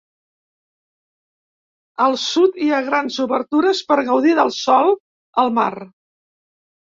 Al sud hi ha grans obertures per gaudir del sol, el mar.